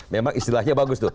memang istilahnya bagus tuh